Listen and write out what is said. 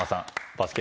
バスケ